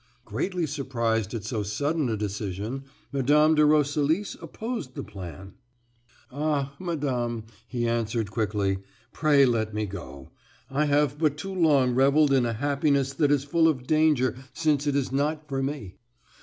Greatly surprised at so sudden a decision, Mme. de Roselis opposed the plan. "Ah, madame," he answered quickly, "pray let me go; I have but too long reveled in a happiness that is full of danger, since it is not for me.